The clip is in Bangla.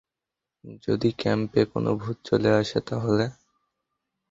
যদি ক্যাম্পে কোন ভূত চলে আসে, তাহলে?